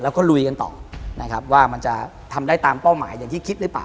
แล้วก็ลุยกันต่อนะครับว่ามันจะทำได้ตามเป้าหมายอย่างที่คิดหรือเปล่า